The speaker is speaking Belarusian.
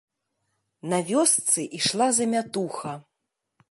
На вёсцы ішла замятуха.